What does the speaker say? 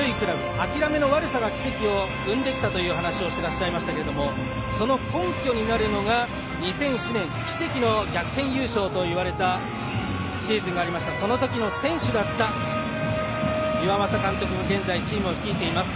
諦めの悪さが奇跡を生んできたという話をしていましたがその根拠になるのが２００７年奇跡の逆転優勝といわれたシーズンがありましたがその時の選手だった岩政監督が現在、チームを率いています。